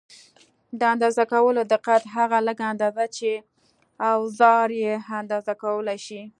د اندازه کولو دقت: هغه لږه اندازه چې اوزار یې اندازه کولای شي.